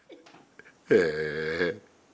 へえ。